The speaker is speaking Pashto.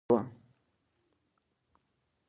آیا د عثماني لښکرو ماتې خوړلې وه؟